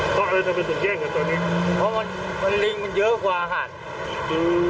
เพราะอะไรทำไมถึงแย่งกันตัวนี้เพราะมันลิงมันเยอะกว่าหัด